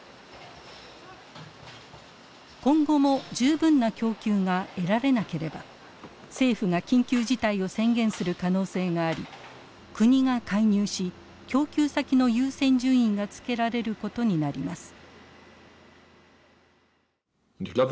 今後も十分な供給が得られなければ政府が緊急事態を宣言する可能性があり国が介入し供給先の優先順位がつけられることになります。